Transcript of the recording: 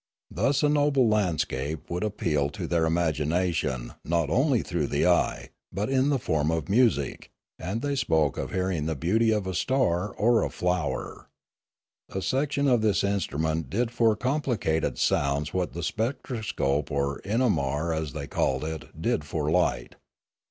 Thus a noble landscape would appeal to their imagina tion not only through the eye, but in the form of music, and they spoke of hearing the beauty of a star or a flower. A section of this instrument did for compli cated sounds what the spectroscope, or inamar as they called it, did for light.